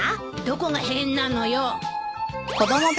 どこが変なのよ。